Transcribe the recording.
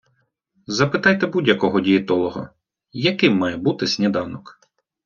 Запитайте будь-якого дієтолога: «Яким має бути сніданок?»